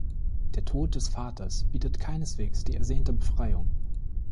Der Tod des Vaters bietet keineswegs die ersehnte Befreiung.